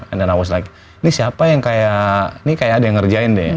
and then i was like ini siapa yang kayak ini kayak ada yang ngerjain deh ya